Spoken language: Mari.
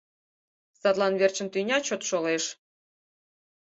Садлан верчын тӱня чот шолеш.